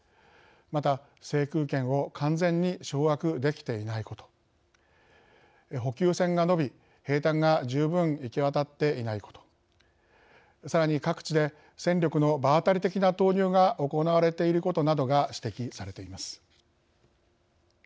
また、制空権を完全に掌握できていないこと補給線が伸び、兵たんが十分行き渡っていないことさらに各地で戦力の場当たり的な投入が行われていることなどが指摘されています。